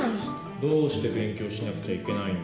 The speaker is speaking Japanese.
どうして勉強しなくちゃいけないんだよ。